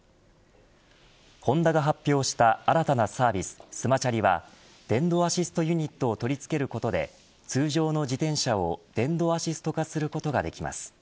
ホンダが発表した新たなサービスＳｍａＣｈａｒｉは電動アシストユニットを取り付けることで通常の自転車を電動アシスト機能にすることができます。